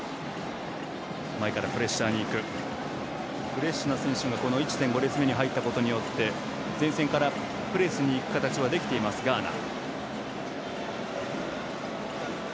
フレッシュな選手が１．５列目に入ったことによって前線からプレスに行く形はできています、ガーナ。